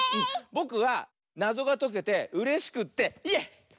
ぼくはなぞがとけてうれしくってイエイ！